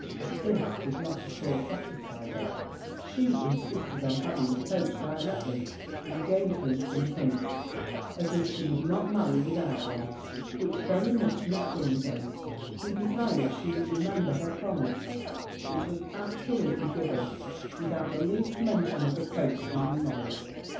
But this did not at all satisfy her; she insisted on having a coach directly, and gave him some hints, as if she would not marry without one; which very much nettling him, he desired she would remember her promise, which was absolutely given, without the least mention of a coach being made.